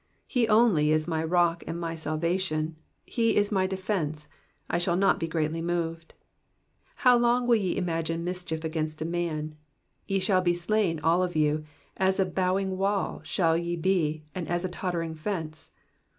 2 He only is my rock and my salvation ; he is my defence ; I shall not be greatly moved. 3 How long will ye imagine mischief against a man ? ye shall be slain all of you : as a bowing wall shall ye be, and as a tottering fence.